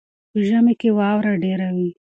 په ژمي کې واوره ډېره وي.